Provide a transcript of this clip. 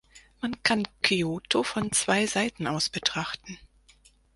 Man kann Kyoto von zwei Seiten aus betrachten.